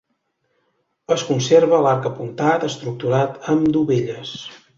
Es conserva l'arc apuntat, estructurat amb dovelles.